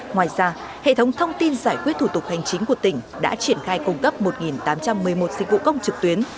ngoài ra hệ thống thông tin giải quyết thủ tục hành chính của tỉnh đã triển khai cung cấp một tám trăm một mươi một dịch vụ công trực tuyến